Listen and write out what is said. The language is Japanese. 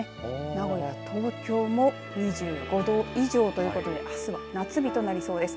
名古屋、東京も２５度以上ということであすは夏日となりそうです。